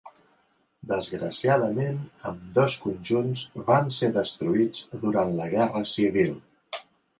Desgraciadament ambdós conjunts van ser destruïts durant la guerra civil.